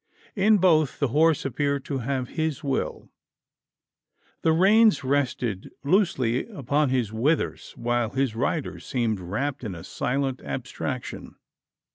In both, the horse appeared to have his will: the reins rested loosely upon his withers; while his rider seemed wrapped in a silent abstraction.